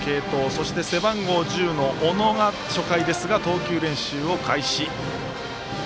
そして、背番号１０の小野が初回ですが投球練習を開始。